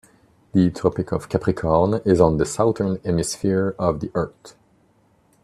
The Tropic of Capricorn is on the Southern Hemisphere of the earth.